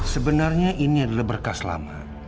sebenarnya ini adalah berkas lama